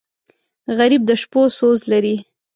غریب د شپو سوز لري